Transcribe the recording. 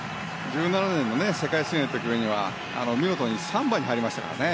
１７年の世界水泳の時には見事３番に入りましたからね。